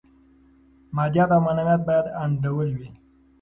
مادیات او معنویات باید انډول وي.